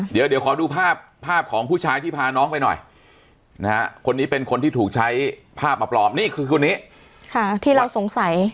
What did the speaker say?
เดี๋ยวขอดูภาพภาพของผู้ชายที่พาน้องไปหน่อยนะฮะคนนี้เป็นคนที่ถูกใช้ภาพมาปลอมนี่คือคนนี้ที่เราสงสัย